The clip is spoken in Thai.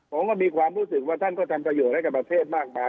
ผมก็มีความรู้สึกว่าท่านก็ทำประโยชน์ให้กับประเทศมากมาย